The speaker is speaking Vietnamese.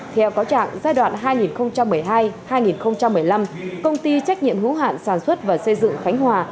theo cáo trạng giai đoạn hai nghìn một mươi hai hai nghìn một mươi năm công ty trách nhiệm hữu hạn sản xuất và xây dựng khánh hòa